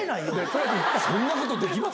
そんなことできます？